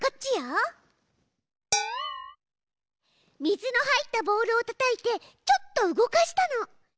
水の入ったボウルをたたいてちょっと動かしたの。